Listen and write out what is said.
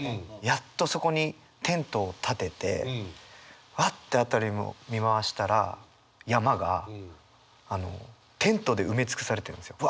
やっとそこにテントをたててわあって辺りを見回したら山がテントで埋め尽くされてるんですよ。